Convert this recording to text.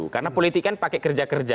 karena politik kan pakai kerja kerja